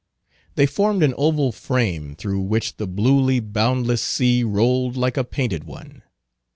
They formed an oval frame, through which the bluely boundless sea rolled like a painted one.